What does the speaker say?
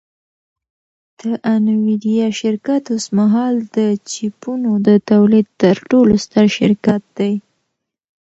د انویډیا شرکت اوسمهال د چیپونو د تولید تر ټولو ستر شرکت دی